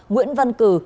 nguyễn văn cử